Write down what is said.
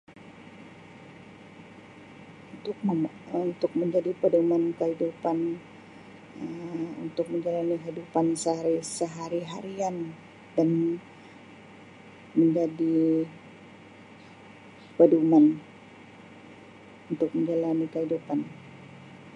Untuk Um untuk menjadi pedoman kehidupan Um untuk menjalani kehidupan sehari sehari harian dan menjadi pedoman untuk menjalani kehidupan